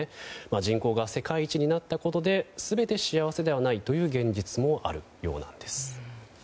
人口が世界一になったことで全て幸せではないという現実もあるようなんです。